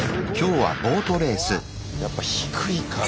やっぱ低いから。